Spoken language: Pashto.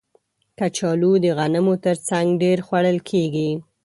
کچالو د غنمو تر څنګ ډېر خوړل کېږي